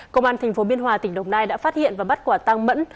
công an tp biên hòa tỉnh đồng nai đã phát hiện và bắt quả tăng mẫn